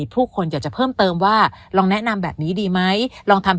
ผู้คนอยากจะเพิ่มเติมว่าลองแนะนำแบบนี้ดีไหมลองทำ